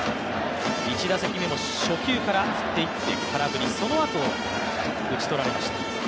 １打席目も初球から振っていって空振り、そのあと打ち取られました。